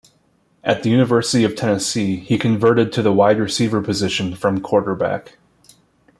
At the University of Tennessee, he converted to the wide receiver position from quarterback.